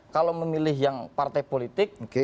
kalau memilih yang partai politik